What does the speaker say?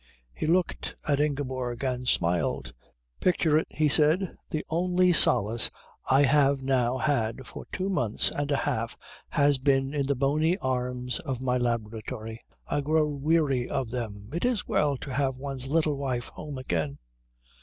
He looked at Ingeborg and smiled. "Picture it," he said. "The only solace I have now had for two months and a half has been in the bony arms of my laboratory. I grow weary of them. It is well to have one's little wife home again.